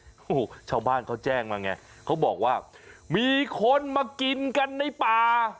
โอ้โหชาวบ้านเขาแจ้งมาไงเขาบอกว่ามีคนมากินกันในป่า